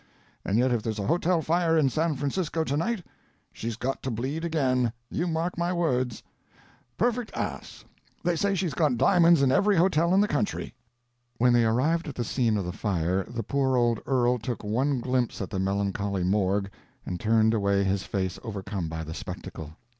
And yet if there's a hotel fire in San Francisco to night she's got to bleed again, you mark my words. Perfect ass; they say she's got diamonds in every hotel in the country." When they arrived at the scene of the fire the poor old earl took one glimpse at the melancholy morgue and turned away his face overcome by the spectacle.